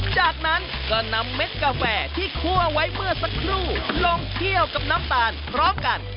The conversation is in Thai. จากนั้นก็นำเม็ดกาแฟที่คั่วไว้เมื่อสักครู่ลงเคี่ยวกับน้ำตาลพร้อมกัน